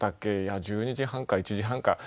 いや１２時半か１時半か。